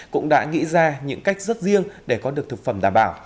cũng đã nghĩ ra những cách rất riêng để có được thực phẩm đảm bảo